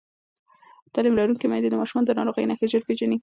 تعلیم لرونکې میندې د ماشومانو د ناروغۍ نښې ژر پېژني